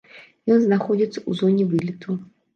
Ён знаходзіцца ў зоне вылету.